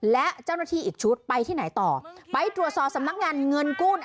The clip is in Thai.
และเจ้าหน้าที่อีกชุดไปที่ไหนต่อไปตรวจสอบสำนักงานเงินกู้